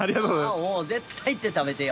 絶対行って食べてよ。